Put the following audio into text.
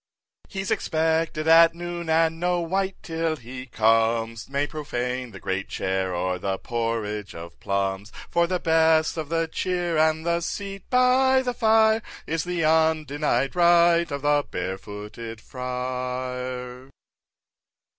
5. He's expected at noon, and no wight till he comes May profane the great chair, or the porridge of plums For the best of the cheer, and the seat by the fire, Is the undenied right of the Barefooted Friar.